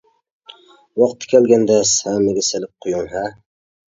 ۋاقتى كەلگەندە سەمىمگە سېلىپ قويۇڭ ھە!